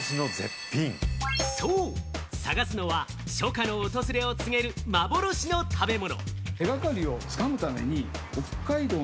そう、探すのは初夏の訪れを告げる、幻の食べ物。